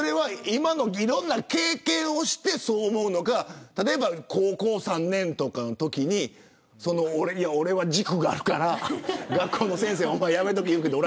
今のいろんな経験をしてそう思うのか例えば高校３年とかのときに俺は軸があるから学校の先生はやめとき言うけど。